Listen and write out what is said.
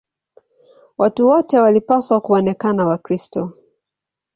Watu wote walipaswa kuonekana Wakristo.